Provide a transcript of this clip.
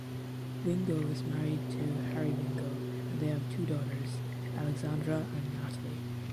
Wingo is married to Harry Wingo and they have two daughters Alexandra and Natalie.